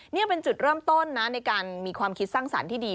นี่เป็นจุดเริ่มต้นนะในการมีความคิดสร้างสรรค์ที่ดี